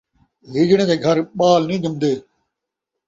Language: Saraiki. ہیجڑیاں دے گھر ٻال نئیں ڄمدے